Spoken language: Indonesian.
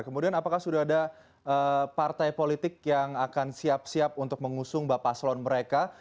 kemudian apakah sudah ada partai politik yang akan siap siap untuk mengusung bapak slon mereka